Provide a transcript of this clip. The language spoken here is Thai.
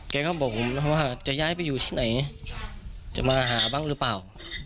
เขาบอกผมแล้วว่าจะย้ายไปอยู่ที่ไหนจะมาหาบ้างหรือเปล่า